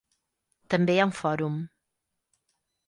També hi ha un fòrum.